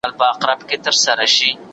په شلمه پېړۍ کي ډېرې کیسې وې.